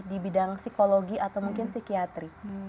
di bidang psikologi atau mungkin psikiatri